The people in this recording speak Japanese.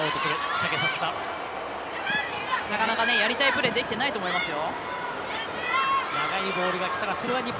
なかなかやりたいプレーできてないと思いますよ。